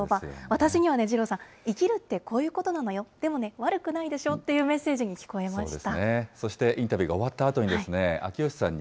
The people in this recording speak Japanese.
私にはね、二郎さん、生きるってこういうことなのよ、でもね、悪くないでしょうっていうメッセージに聞こえました。